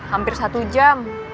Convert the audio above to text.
hampir satu jam